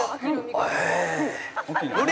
あれ。